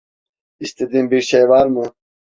İstediğin bir şey var mı?